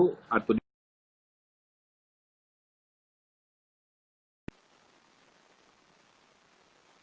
yang mana yang harus diperhatikan